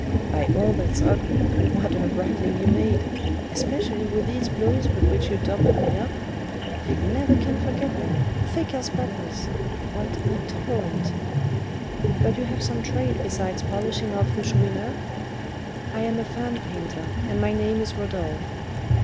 By all that's ugly, what a rattling you made, especially with these blows with which you doubled me up! I never can forget them thick as buttons what a torrent! But you have some trade besides 'polishing off' the Chourineur?" "I am a fan painter, and my name is Rodolph."